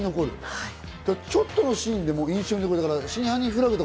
ちょっとのシーンでも印象に残る。